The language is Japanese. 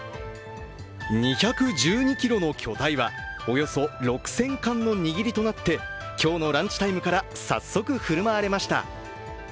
２１２ｋｇの巨体はおよそ６０００貫の握りとなって今日のランチタイムから早速、振る舞われました。